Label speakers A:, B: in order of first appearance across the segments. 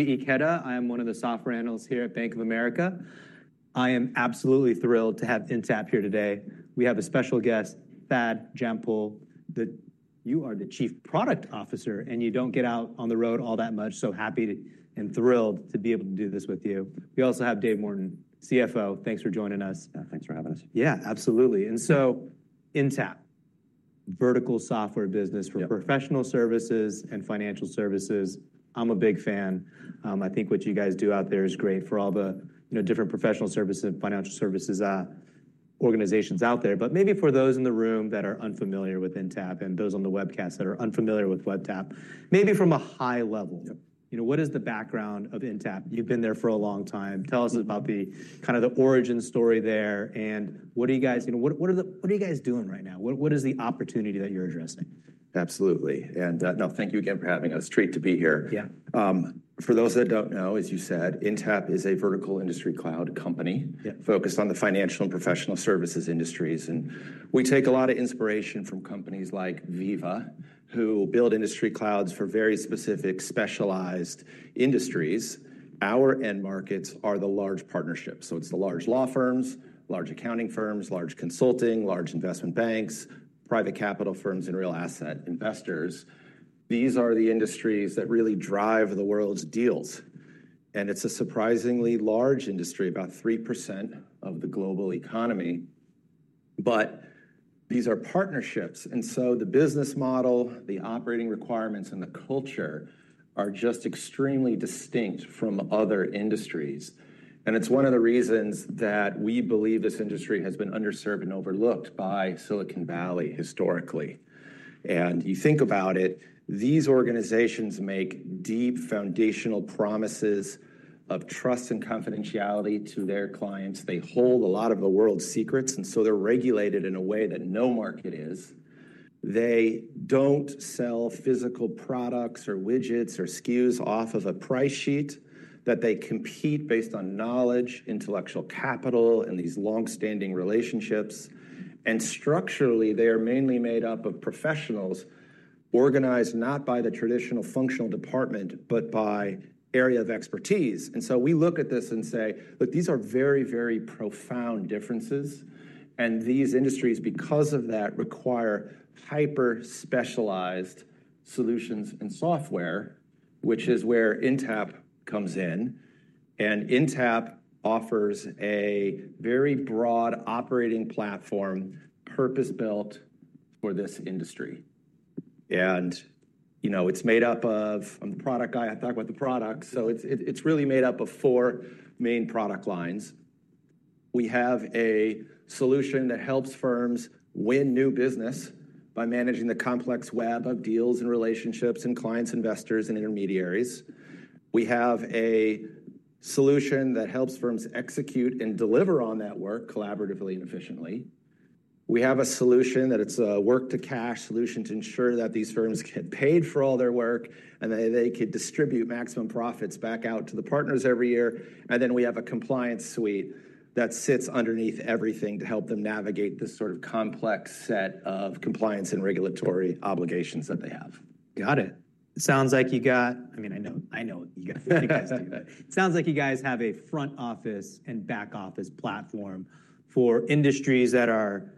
A: I'm Koji Ikeda. I am one of the software analysts here at Bank of America. I am absolutely thrilled to have Intapp here today. We have a special guest, Thad Jampol, that you are the Co-Founder and Chief Product Officer, and you don't get out on the road all that much. Happy and thrilled to be able to do this with you. We also have Dave Morton, CFO. Thanks for joining us.
B: Thanks for having us.
A: Yeah, absolutely. Intapp, vertical software business for professional services and financial services. I'm a big fan. I think what you guys do out there is great for all the different professional services and financial services organizations out there. Maybe for those in the room that are unfamiliar with Intapp and those on the webcast that are unfamiliar with Intapp, maybe from a high level, what is the background of Intapp? You've been there for a long time. Tell us about the kind of the origin story there. What are you guys doing right now? What is the opportunity that you're addressing?
B: Absolutely. No, thank you again for having us. It's great to be here.
A: Yeah.
B: For those that don't know, as you said, Intapp is a vertical industry cloud company focused on the financial and professional services industries. We take a lot of inspiration from companies like Veeva, who build industry clouds for very specific, specialized industries. Our end markets are the large partnerships. It is the large law firms, large accounting firms, large consulting, large investment banks, private capital firms, and real asset investors. These are the industries that really drive the world's deals. It is a surprisingly large industry, about 3% of the global economy. These are partnerships. The business model, the operating requirements, and the culture are just extremely distinct from other industries. It is one of the reasons that we believe this industry has been underserved and overlooked by Silicon Valley historically. You think about it, these organizations make deep foundational promises of trust and confidentiality to their clients. They hold a lot of the world's secrets. They are regulated in a way that no market is. They do not sell physical products or widgets or SKUs off of a price sheet. They compete based on knowledge, intellectual capital, and these longstanding relationships. Structurally, they are mainly made up of professionals organized not by the traditional functional department, but by area of expertise. We look at this and say, look, these are very, very profound differences. These industries, because of that, require hyper-specialized solutions and software, which is where Intapp comes in. Intapp offers a very broad operating platform purpose-built for this industry. It is made up of I'm the product guy. I talk about the product. It's really made up of four main product lines. We have a solution that helps firms win new business by managing the complex web of deals and relationships and clients, investors, and intermediaries. We have a solution that helps firms execute and deliver on that work collaboratively and efficiently. We have a solution that it's a work-to-cash solution to ensure that these firms get paid for all their work and that they could distribute maximum profits back out to the partners every year. We have a compliance suite that sits underneath everything to help them navigate this sort of complex set of compliance and regulatory obligations that they have.
A: Got it. Sounds like you got, I mean, I know you guys do. But it sounds like you guys have a front office and back office platform for industries that are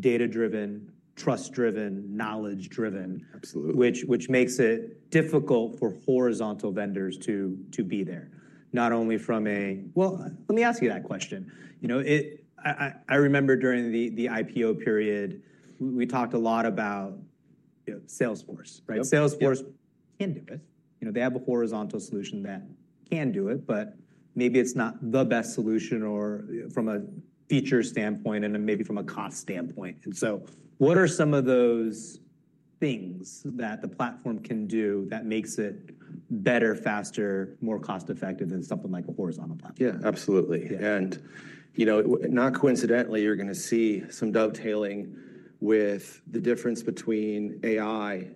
A: data-driven, trust-driven, knowledge-driven.
B: Absolutely.
A: Which makes it difficult for horizontal vendors to be there, not only from a, let me ask you that question. I remember during the IPO period, we talked a lot about Salesforce. Salesforce can do it. They have a horizontal solution that can do it, but maybe it is not the best solution from a feature standpoint and maybe from a cost standpoint. What are some of those things that the platform can do that makes it better, faster, more cost-effective than something like a horizontal platform?
B: Yeah, absolutely. Not coincidentally, you're going to see some dovetailing with the difference between AI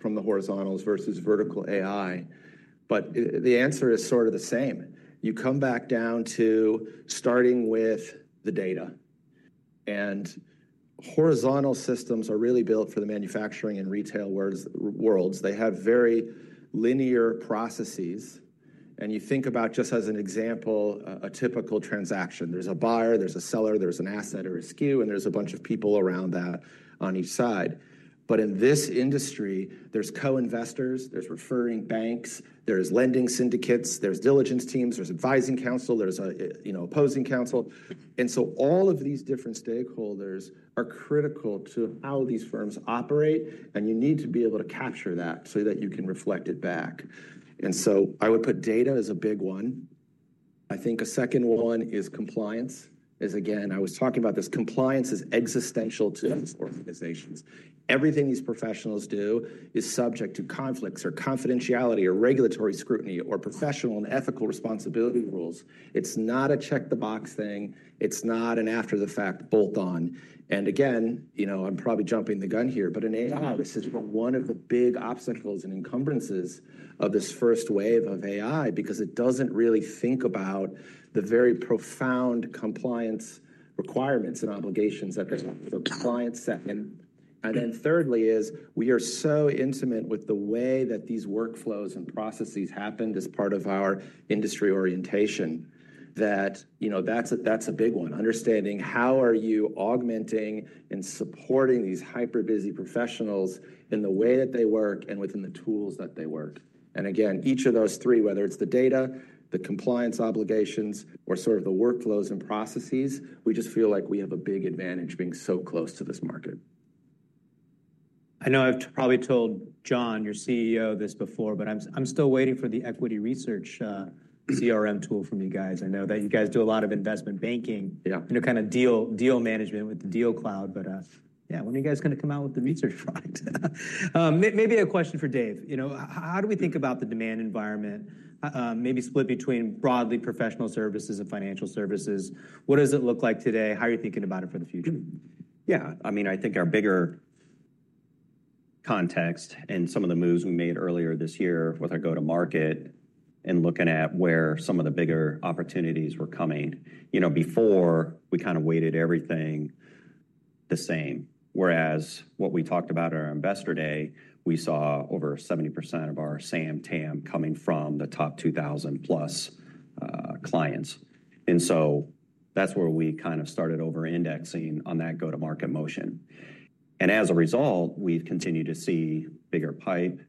B: from the horizontals versus vertical AI. The answer is sort of the same. You come back down to starting with the data. Horizontal systems are really built for the manufacturing and retail worlds. They have very linear processes. You think about, just as an example, a typical transaction. There's a buyer, there's a seller, there's an asset or a SKU, and there's a bunch of people around that on each side. In this industry, there's co-investors, there's referring banks, there's lending syndicates, there's diligence teams, there's advising counsel, there's opposing counsel. All of these different stakeholders are critical to how these firms operate. You need to be able to capture that so that you can reflect it back. I would put data as a big one. I think a second one is compliance. Again, I was talking about this. Compliance is existential to these organizations. Everything these professionals do is subject to conflicts or confidentiality or regulatory scrutiny or professional and ethical responsibility rules. It is not a check-the-box thing. It is not an after-the-fact bolt-on. Again, I am probably jumping the gun here, but in AI, this is one of the big obstacles and encumbrances of this first wave of AI because it does not really think about the very profound compliance requirements and obligations that there is for client-second. Thirdly, we are so intimate with the way that these workflows and processes happened as part of our industry orientation that that is a big one. Understanding how are you augmenting and supporting these hyper-busy professionals in the way that they work and within the tools that they work. Each of those three, whether it's the data, the compliance obligations, or sort of the workflows and processes, we just feel like we have a big advantage being so close to this market.
A: I know I've probably told John, your CEO, this before, but I'm still waiting for the equity research CRM tool from you guys. I know that you guys do a lot of investment banking and kind of deal management with the DealCloud. Yeah, when are you guys going to come out with the research product? Maybe a question for Dave. How do we think about the demand environment, maybe split between broadly professional services and financial services? What does it look like today? How are you thinking about it for the future?
B: Yeah. I mean, I think our bigger context and some of the moves we made earlier this year with our go-to-market and looking at where some of the bigger opportunities were coming, before we kind of weighted everything the same. Whereas what we talked about at our investor day, we saw over 70% of our SAM, TAM coming from the top 2,000-plus clients. That is where we kind of started over-indexing on that go-to-market motion. As a result, we have continued to see bigger pipe,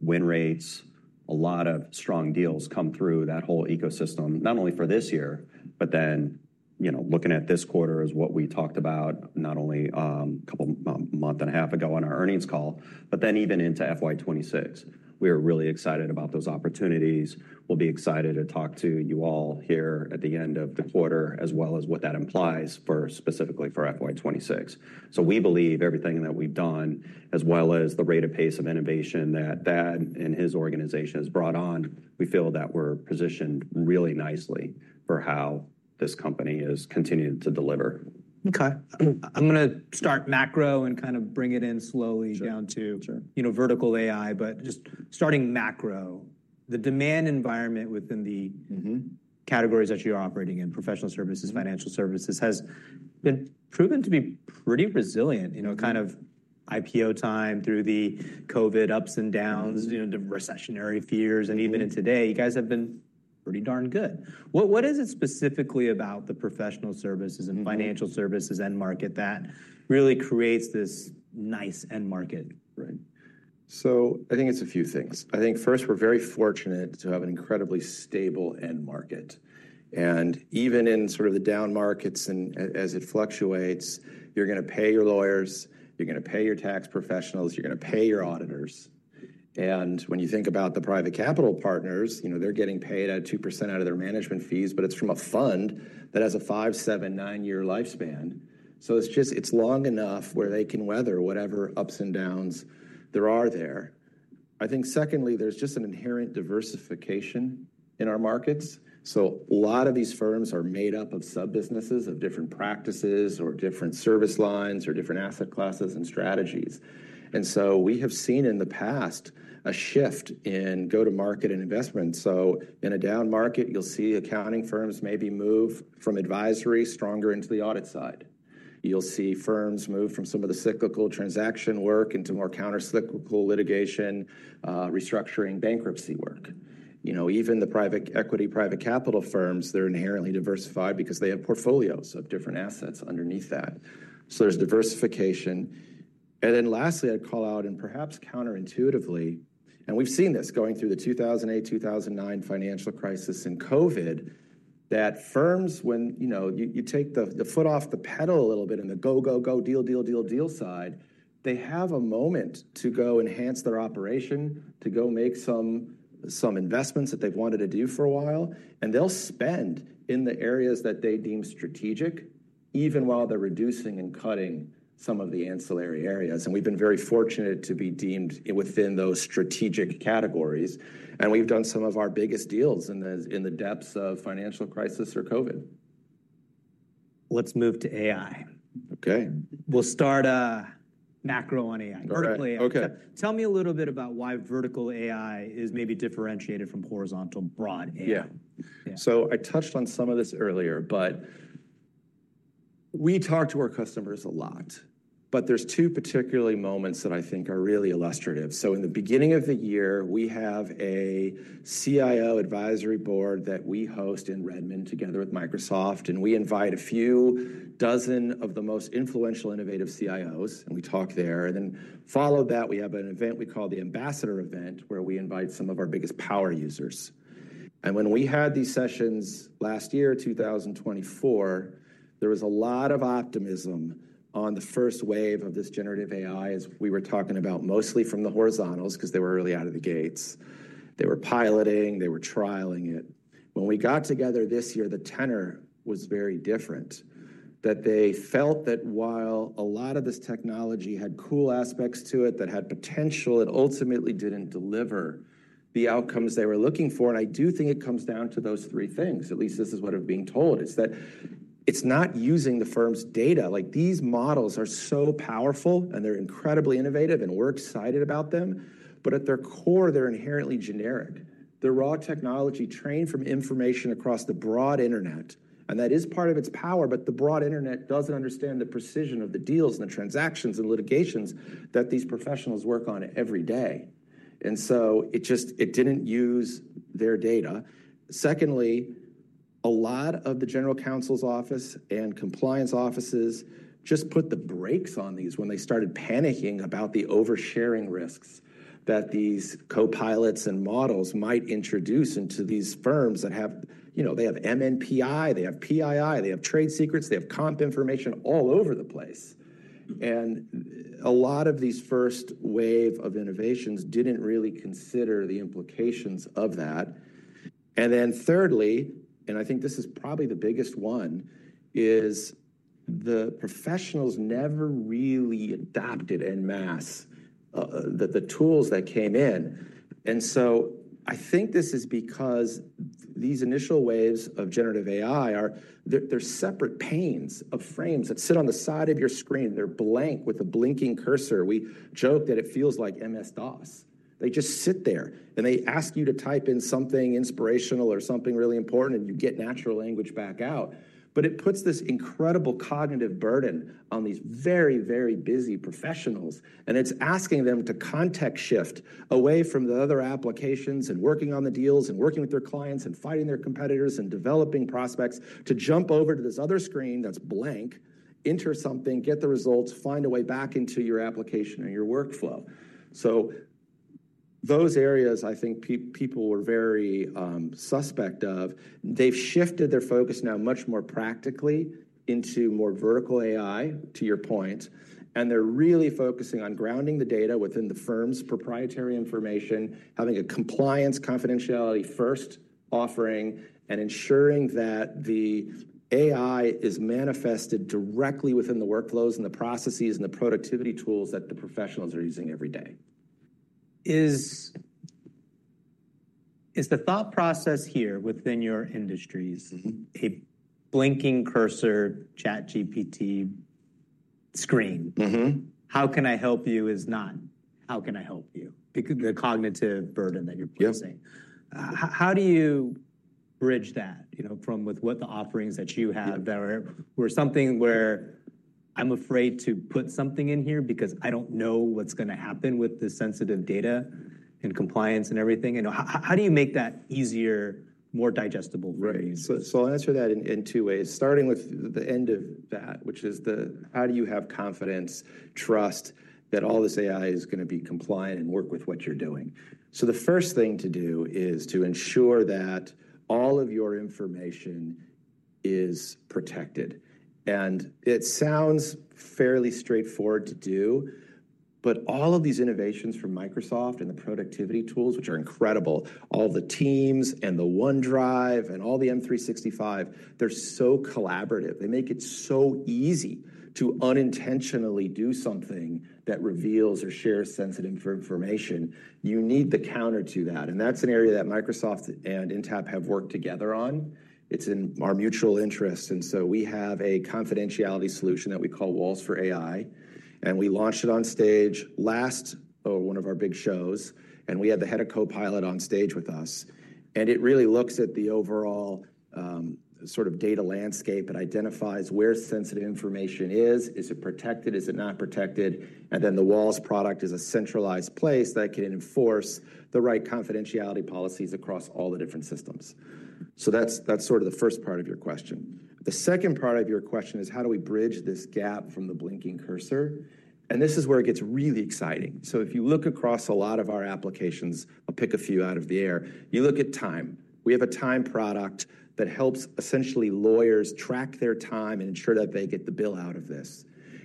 B: win rates, a lot of strong deals come through that whole ecosystem, not only for this year, but then looking at this quarter is what we talked about not only a couple months and a half ago on our earnings call, but then even into FY 2026. We are really excited about those opportunities. We'll be excited to talk to you all here at the end of the quarter as well as what that implies specifically for FY 26. We believe everything that we've done, as well as the rate of pace of innovation that Thad and his organization has brought on, we feel that we're positioned really nicely for how this company is continuing to deliver.
A: OK. I'm going to start macro and kind of bring it in slowly down to vertical AI, but just starting macro. The demand environment within the categories that you're operating in, professional services, financial services, has been proven to be pretty resilient. Kind of IPO time through the COVID ups and downs, the recessionary fears. Even today, you guys have been pretty darn good. What is it specifically about the professional services and financial services end market that really creates this nice end market?
B: I think it's a few things. I think first, we're very fortunate to have an incredibly stable end market. Even in sort of the down markets and as it fluctuates, you're going to pay your lawyers. You're going to pay your tax professionals. You're going to pay your auditors. When you think about the private capital partners, they're getting paid at 2% out of their management fees, but it's from a fund that has a five-, seven-, nine-year lifespan. It's long enough where they can weather whatever ups and downs there are there. I think secondly, there's just an inherent diversification in our markets. A lot of these firms are made up of sub-businesses of different practices or different service lines or different asset classes and strategies. We have seen in the past a shift in go-to-market and investment. In a down market, you'll see accounting firms maybe move from advisory stronger into the audit side. You'll see firms move from some of the cyclical transaction work into more countercyclical litigation, restructuring, bankruptcy work. Even the private equity, private capital firms, they're inherently diversified because they have portfolios of different assets underneath that. So there's diversification. Lastly, I'd call out, and perhaps counterintuitively, and we've seen this going through the 2008, 2009 financial crisis and COVID, that firms, when you take the foot off the pedal a little bit in the go, go, go, deal, deal, deal, deal side, they have a moment to go enhance their operation, to go make some investments that they've wanted to do for a while. They'll spend in the areas that they deem strategic, even while they're reducing and cutting some of the ancillary areas. We have been very fortunate to be deemed within those strategic categories. We have done some of our biggest deals in the depths of financial crisis or COVID.
A: Let's move to AI.
B: OK.
A: We'll start macro on AI.
B: OK.
A: Tell me a little bit about why vertical AI is maybe differentiated from horizontal broad AI.
B: Yeah. I touched on some of this earlier, but we talk to our customers a lot. There are two particular moments that I think are really illustrative. In the beginning of the year, we have a CIO advisory board that we host in Redmond together with Microsoft. We invite a few dozen of the most influential, innovative CIOs, and we talk there. Following that, we have an event we call the Ambassador Event, where we invite some of our biggest power users. When we had these sessions last year, 2024, there was a lot of optimism on the first wave of this generative AI, as we were talking about, mostly from the horizontals because they were early out of the gates. They were piloting. They were trialing it. When we got together this year, the tenor was very different. That they felt that while a lot of this technology had cool aspects to it that had potential, it ultimately did not deliver the outcomes they were looking for. I do think it comes down to those three things. At least this is what I have been told, is that it is not using the firm's data. These models are so powerful, and they are incredibly innovative, and we are excited about them. At their core, they are inherently generic. They are raw technology trained from information across the broad internet. That is part of its power. The broad internet does not understand the precision of the deals and the transactions and litigations that these professionals work on every day. It did not use their data. Secondly, a lot of the general counsel's office and compliance offices just put the brakes on these when they started panicking about the oversharing risks that these co-pilots and models might introduce into these firms that have MNPI. They have PII. They have trade secrets. They have comp information all over the place. A lot of these first wave of innovations did not really consider the implications of that. Thirdly, and I think this is probably the biggest one, is the professionals never really adopted en masse the tools that came in. I think this is because these initial waves of generative AI, they are separate panes or frames that sit on the side of your screen. They are blank with a blinking cursor. We joke that it feels like MS-DOS. They just sit there. They ask you to type in something inspirational or something really important, and you get natural language back out. It puts this incredible cognitive burden on these very, very busy professionals. It is asking them to context shift away from the other applications and working on the deals and working with their clients and fighting their competitors and developing prospects to jump over to this other screen that is blank, enter something, get the results, find a way back into your application and your workflow. Those areas, I think people were very suspect of. They have shifted their focus now much more practically into more vertical AI, to your point. They are really focusing on grounding the data within the firm's proprietary information, having a compliance confidentiality-first offering, and ensuring that the AI is manifested directly within the workflows and the processes and the productivity tools that the professionals are using every day.
A: Is the thought process here within your industries a blinking cursor, ChatGPT screen? How can I help you is not, how can I help you, the cognitive burden that you're facing?
B: Yeah.
A: How do you bridge that from with what the offerings that you have that were something where I'm afraid to put something in here because I don't know what's going to happen with the sensitive data and compliance and everything? How do you make that easier, more digestible for you?
B: I'll answer that in two ways, starting with the end of that, which is the how do you have confidence, trust that all this AI is going to be compliant and work with what you're doing? The first thing to do is to ensure that all of your information is protected. It sounds fairly straightforward to do. All of these innovations from Microsoft and the productivity tools, which are incredible, all the Teams and the OneDrive and all the M365, they're so collaborative. They make it so easy to unintentionally do something that reveals or shares sensitive information. You need the counter to that. That's an area that Microsoft and Intapp have worked together on. It's in our mutual interest. We have a confidentiality solution that we call Walls for AI. We launched it on stage last, oh, one of our big shows. We had the head of Copilot on stage with us. It really looks at the overall sort of data landscape and identifies where sensitive information is. Is it protected? Is it not protected? The Walls product is a centralized place that can enforce the right confidentiality policies across all the different systems. That is sort of the first part of your question. The second part of your question is, how do we bridge this gap from the blinking cursor? This is where it gets really exciting. If you look across a lot of our applications, I will pick a few out of the air, you look at Time. We have a Time product that helps essentially lawyers track their time and ensure that they get the bill out of this.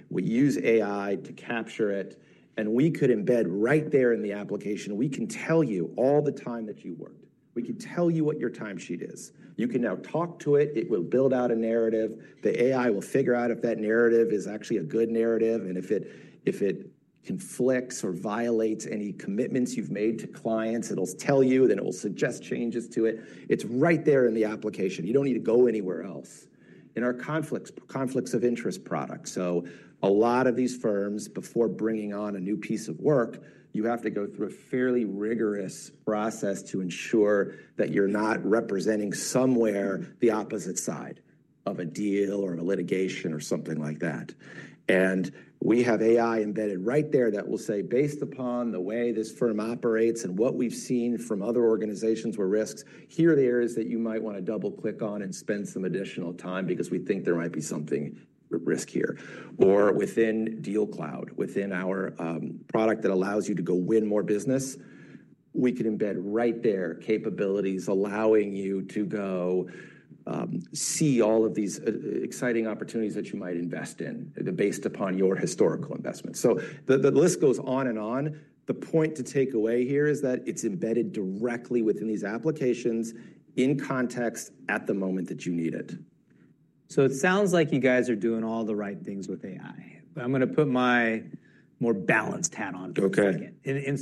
B: We use AI to capture it. We could embed right there in the application. We can tell you all the time that you worked. We can tell you what your timesheet is. You can now talk to it. It will build out a narrative. The AI will figure out if that narrative is actually a good narrative. If it conflicts or violates any commitments you've made to clients, it'll tell you. It will suggest changes to it. It's right there in the application. You don't need to go anywhere else. Our conflicts of interest product. A lot of these firms, before bringing on a new piece of work, you have to go through a fairly rigorous process to ensure that you're not representing somewhere the opposite side of a deal or a litigation or something like that. We have AI embedded right there that will say, based upon the way this firm operates and what we've seen from other organizations where risks, here are the areas that you might want to double-click on and spend some additional time because we think there might be something risk here. Within DealCloud, within our product that allows you to go win more business, we can embed right there capabilities allowing you to go see all of these exciting opportunities that you might invest in based upon your historical investment. The list goes on and on. The point to take away here is that it's embedded directly within these applications in context at the moment that you need it.
A: It sounds like you guys are doing all the right things with AI. I'm going to put my more balanced hat on for you again.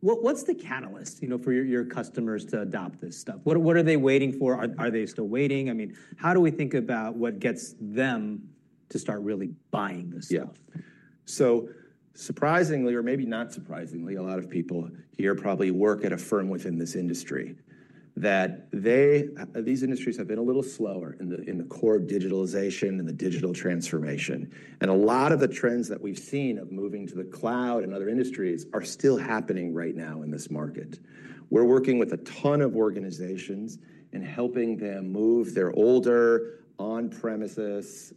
A: What's the catalyst for your customers to adopt this stuff? What are they waiting for? Are they still waiting? I mean, how do we think about what gets them to start really buying this stuff?
B: Yeah. Surprisingly, or maybe not surprisingly, a lot of people here probably work at a firm within this industry that these industries have been a little slower in the core of digitalization and the digital transformation. A lot of the trends that we've seen of moving to the cloud in other industries are still happening right now in this market. We're working with a ton of organizations and helping them move their older on-premises,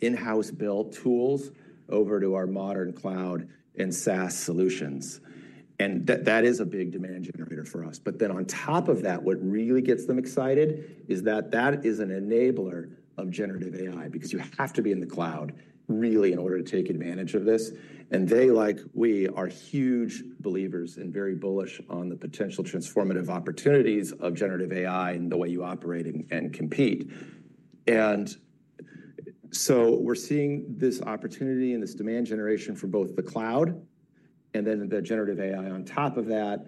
B: in-house built tools over to our modern cloud and SaaS solutions. That is a big demand generator for us. On top of that, what really gets them excited is that that is an enabler of generative AI because you have to be in the cloud really in order to take advantage of this. They, like we, are huge believers and very bullish on the potential transformative opportunities of generative AI and the way you operate and compete. We are seeing this opportunity and this demand generation for both the cloud and then the generative AI on top of that.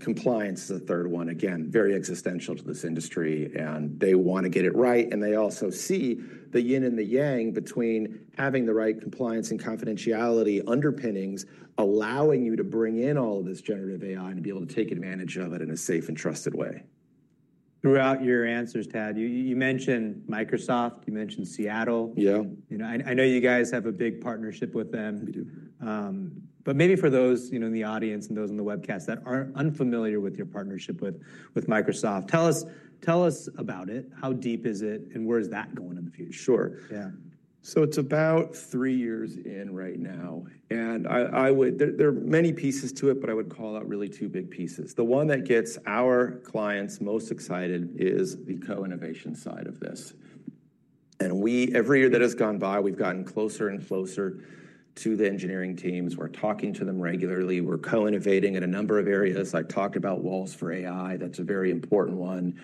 B: Compliance is the third one, again, very existential to this industry. They want to get it right. They also see the yin and the yang between having the right compliance and confidentiality underpinnings allowing you to bring in all of this generative AI and be able to take advantage of it in a safe and trusted way.
A: Throughout your answers, Thad, you mentioned Microsoft. You mentioned Seattle.
B: Yeah.
A: I know you guys have a big partnership with them.
B: We do.
A: Maybe for those in the audience and those in the webcast that aren't unfamiliar with your partnership with Microsoft, tell us about it. How deep is it? Where is that going in the future?
B: Sure. Yeah. So it's about three years in right now. There are many pieces to it, but I would call out really two big pieces. The one that gets our clients most excited is the co-innovation side of this. Every year that has gone by, we've gotten closer and closer to the engineering teams. We're talking to them regularly. We're co-innovating in a number of areas. I talked about Walls for AI. That's a very important one.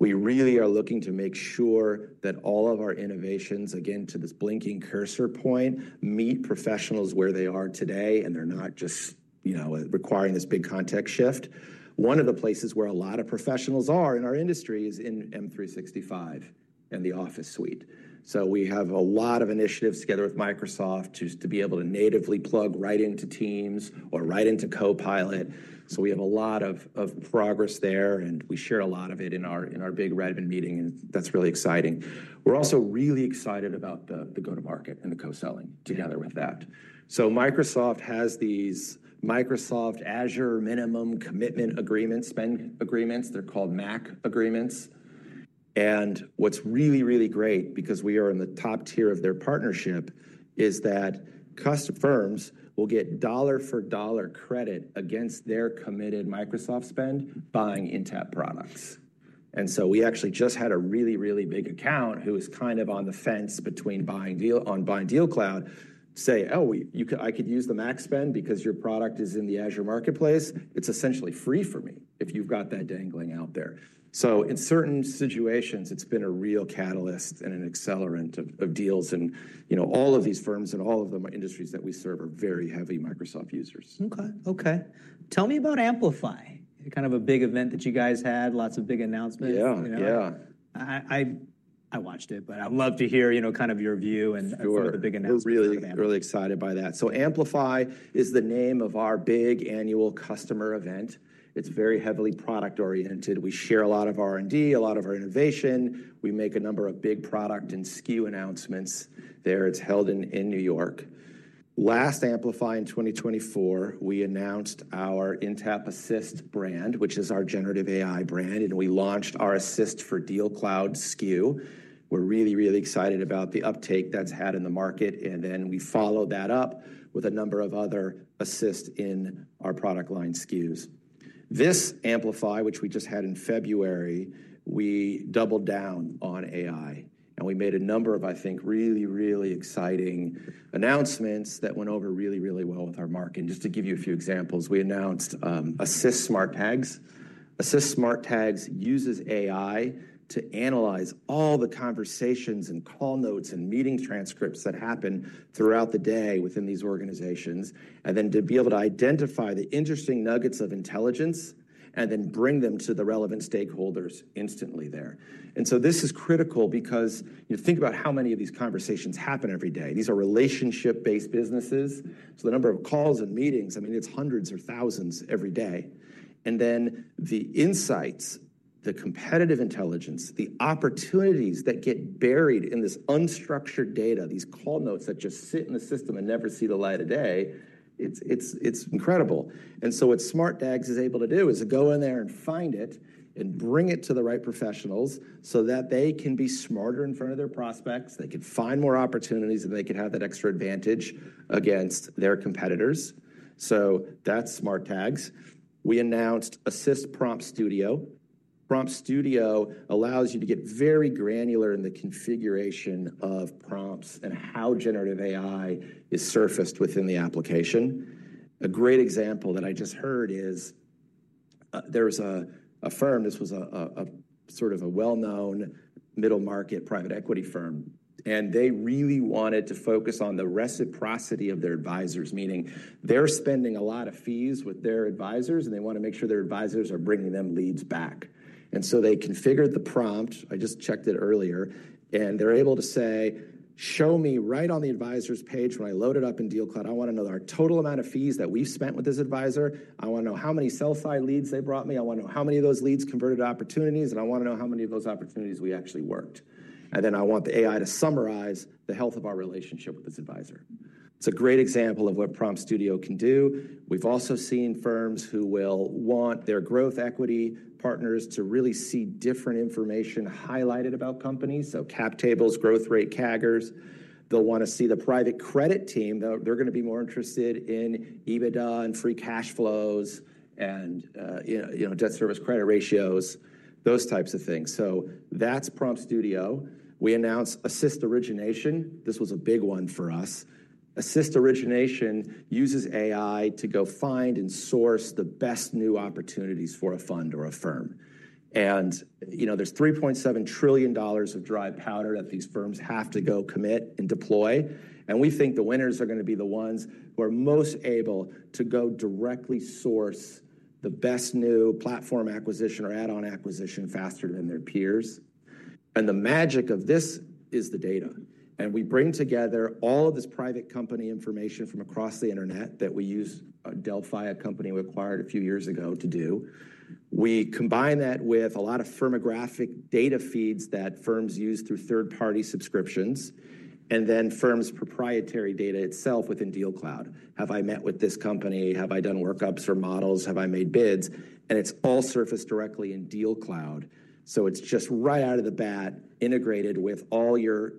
B: We really are looking to make sure that all of our innovations, again, to this blinking cursor point, meet professionals where they are today. They're not just requiring this big context shift. One of the places where a lot of professionals are in our industry is in M365 and the Office suite. We have a lot of initiatives together with Microsoft to be able to natively plug right into Teams or right into Copilot. We have a lot of progress there. We share a lot of it in our big Red meeting. That's really exciting. We're also really excited about the go-to-market and the co-selling together with that. Microsoft has these Microsoft Azure minimum commitment agreements, spend agreements. They're called MAC agreements. What's really, really great because we are in the top tier of their partnership is that firms will get dollar-for-dollar credit against their committed Microsoft spend buying Intapp products. We actually just had a really, really big account who was kind of on the fence between buying on Buy and DealCloud say, oh, I could use the MAC spend because your product is in the Azure marketplace. It's essentially free for me if you've got that dangling out there. In certain situations, it's been a real catalyst and an accelerant of deals. All of these firms and all of the industries that we serve are very heavy Microsoft users.
A: OK. OK. Tell me about Amplify, kind of a big event that you guys had, lots of big announcements.
B: Yeah. Yeah.
A: I watched it, but I'd love to hear kind of your view and a few of the big announcements.
B: We're really excited by that. Amplify is the name of our big annual customer event. It's very heavily product-oriented. We share a lot of R&D, a lot of our innovation. We make a number of big product and SKU announcements there. It's held in New York. Last Amplify in 2024, we announced our Intapp Assist brand, which is our generative AI brand. We launched our Assist for DealCloud SKU. We're really, really excited about the uptake that's had in the market. We followed that up with a number of other assists in our product line SKUs. This Amplify, which we just had in February, we doubled down on AI. We made a number of, I think, really, really exciting announcements that went over really, really well with our market. Just to give you a few examples, we announced Assist Smart Tags. Assist Smart Tags uses AI to analyze all the conversations and call notes and meeting transcripts that happen throughout the day within these organizations and then to be able to identify the interesting nuggets of intelligence and then bring them to the relevant stakeholders instantly there. This is critical because think about how many of these conversations happen every day. These are relationship-based businesses. The number of calls and meetings, I mean, it's hundreds or thousands every day. The insights, the competitive intelligence, the opportunities that get buried in this unstructured data, these call notes that just sit in the system and never see the light of day, it's incredible. What Smart Tags is able to do is go in there and find it and bring it to the right professionals so that they can be smarter in front of their prospects. They can find more opportunities. They can have that extra advantage against their competitors. That is Smart Tags. We announced Assist Prompt Studio. Prompt Studio allows you to get very granular in the configuration of prompts and how generative AI is surfaced within the application. A great example that I just heard is there was a firm. This was a sort of a well-known middle-market private equity firm. They really wanted to focus on the reciprocity of their advisors, meaning they are spending a lot of fees with their advisors. They want to make sure their advisors are bringing them leads back. They configured the prompt. I just checked it earlier. They are able to say, show me right on the advisor's page when I load it up in DealCloud, I want to know the total amount of fees that we have spent with this advisor. I want to know how many sell-side leads they brought me. I want to know how many of those leads converted opportunities. I want to know how many of those opportunities we actually worked. I want the AI to summarize the health of our relationship with this advisor. It's a great example of what Prompt Studio can do. We've also seen firms who will want their growth equity partners to really see different information highlighted about companies, so Cap tables, Growth rate, CAGRs. They'll want to see the private credit team. They're going to be more interested in EBITDA and free cash flows and debt service credit ratios, those types of things. That's Prompt Studio. We announced Assist Origination. This was a big one for us. Assist Origination uses AI to go find and source the best new opportunities for a fund or a firm. There is $3.7 trillion of dry powder that these firms have to go commit and deploy. We think the winners are going to be the ones who are most able to go directly source the best new platform acquisition or add-on acquisition faster than their peers. The magic of this is the data. We bring together all of this private company information from across the internet that we use Delphi, a company we acquired a few years ago, to do. We combine that with a lot of firmographic data feeds that firms use through third-party subscriptions and then firms' proprietary data itself within DealCloud. Have I met with this company? Have I done workups for models? Have I made bids? It is all surfaced directly in DealCloud. It is just right out of the bat integrated with all your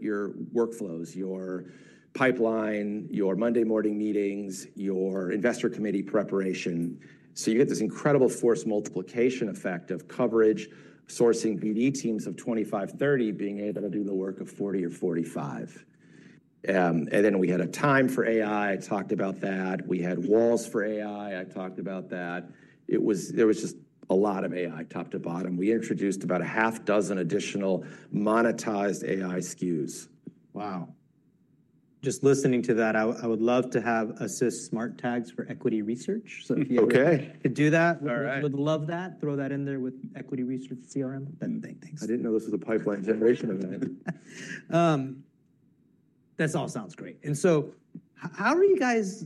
B: workflows, your pipeline, your Monday morning meetings, your investor committee preparation. You get this incredible force multiplication effect of coverage, sourcing BD teams of 25-30, being able to do the work of 40 or 45. We had a Time for AI. I talked about that. We had Walls for AI. I talked about that. There was just a lot of AI top to bottom. We introduced about a half dozen additional monetized AI SKUs.
A: Wow. Just listening to that, I would love to have Assist Smart Tags for equity research. If you could do that, we would love that. Throw that in there with equity research CRM.
B: I didn't know this was a pipeline generation event.
A: That all sounds great. How are you guys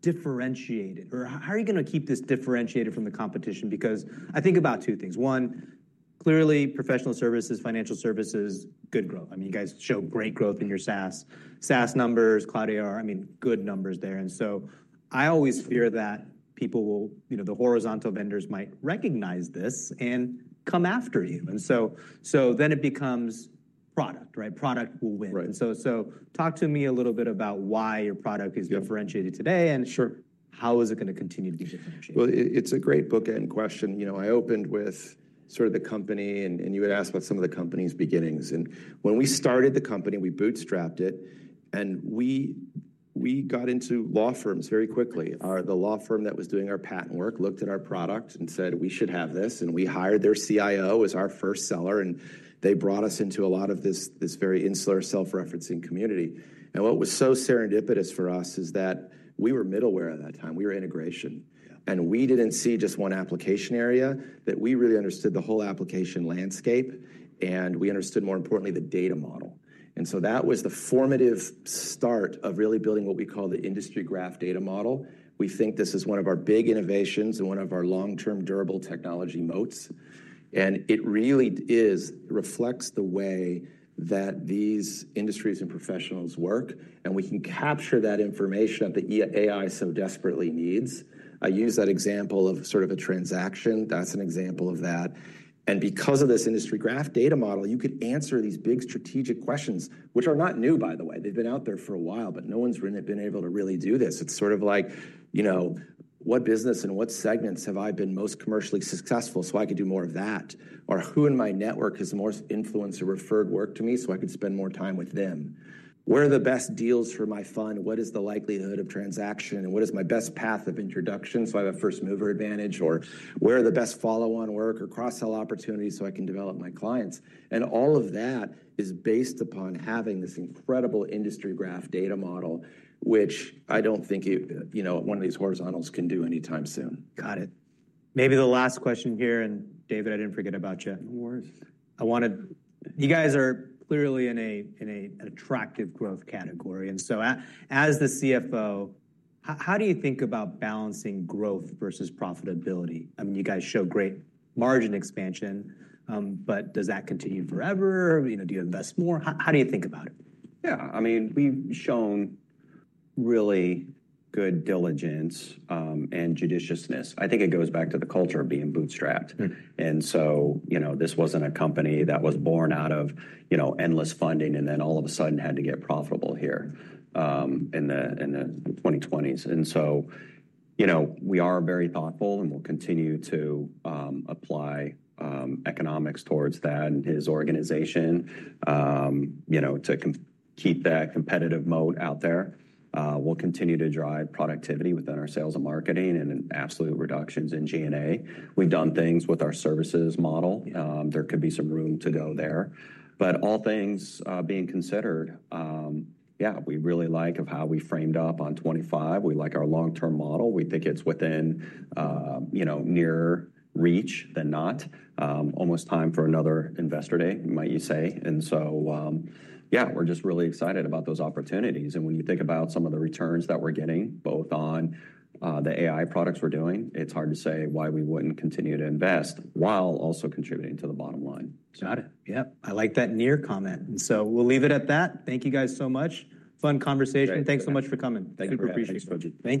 A: differentiated? Or how are you going to keep this differentiated from the competition? I think about two things. One, clearly, professional services, financial services, good growth. I mean, you guys show great growth in your SaaS. SaaS numbers, Cloud AR, I mean, good numbers there. I always fear that people will, the horizontal vendors might recognize this and come after you. Then it becomes product, right? Product will win. Talk to me a little bit about why your product is differentiated today and how is it going to continue to be differentiated.
B: It is a great bookend question. I opened with sort of the company. You had asked about some of the company's beginnings. When we started the company, we bootstrapped it. We got into law firms very quickly. The law firm that was doing our patent work looked at our product and said, we should have this. We hired their CIO as our first seller. They brought us into a lot of this very insular self-referencing community. What was so serendipitous for us is that we were Middleware at that time. We were integration. We did not see just one application area. We really understood the whole application landscape. We understood, more importantly, the data model. That was the formative start of really building what we call the industry graph data model. We think this is one of our big innovations and one of our long-term durable technology moats. It really reflects the way that these industries and professionals work. We can capture that information that the AI so desperately needs. I use that example of sort of a transaction. That's an example of that. Because of this industry graph data model, you could answer these big strategic questions, which are not new, by the way. They've been out there for a while, but no one's been able to really do this. It's sort of like, what business and what segments have I been most commercially successful so I could do more of that? Who in my network has the most influence or referred work to me so I could spend more time with them? Where are the best deals for my fund? What is the likelihood of transaction? What is my best path of introduction so I have a first mover advantage? Where are the best follow-on work or cross-sell opportunities so I can develop my clients? All of that is based upon having this incredible Industry Graph data model, which I do not think one of these horizontals can do anytime soon.
A: Got it. Maybe the last question here. And Dave, I did not forget about you.
C: No worries.
A: I want to, you guys are clearly in an attractive growth category. And so as the CFO, how do you think about balancing growth versus profitability? I mean, you guys show great margin expansion. But does that continue forever? Do you invest more? How do you think about it?
C: Yeah. I mean, we've shown really good diligence and judiciousness. I think it goes back to the culture of being bootstrapped. This wasn't a company that was born out of endless funding and then all of a sudden had to get profitable here in the 2020s. We are very thoughtful. We'll continue to apply economics towards that and his organization to keep that competitive moat out there. We'll continue to drive productivity within our sales and marketing and absolute reductions in G&A. We've done things with our services model. There could be some room to go there. All things being considered, yeah, we really like how we framed up on 2025. We like our long-term model. We think it's within near reach than not. Almost time for another investor day, might you say. Yeah, we're just really excited about those opportunities. When you think about some of the returns that we're getting both on the AI products we're doing, it's hard to say why we wouldn't continue to invest while also contributing to the bottom line.
A: Got it. Yeah. I like that near comment. We'll leave it at that. Thank you guys so much. Fun conversation. Thanks so much for coming.
B: Thank you very much, buddy.